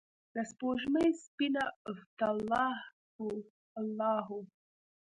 دسپوږمۍ سپینه عفته الله هو، الله هو